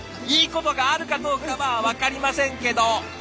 いいことがあるかどうかは分かりませんけど。